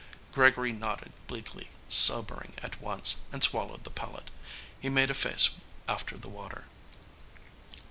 Gregory nodded bleakly, sobering at once, and swallowed the pellet. He made a face after the water.